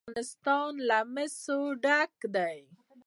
افغانستان له مس ډک دی.